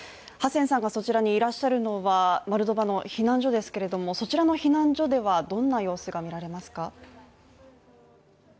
ハセンさんがそちらにいらっしゃるのは、モルドバの避難所ですけれどもそちらの避難所ではどんな様子が見られますか？